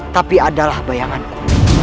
tapi adalah bayanganku